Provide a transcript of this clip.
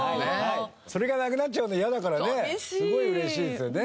それがなくなっちゃうの嫌だからねすごい嬉しいですよね。